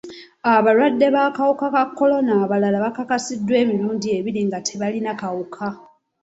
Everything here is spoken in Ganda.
Abalwadde b'akawuka ka kolona abalala bakakasiddwa emirundi ebiri nga tebalina kawuka.